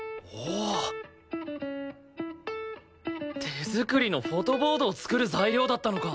手作りのフォトボードを作る材料だったのか！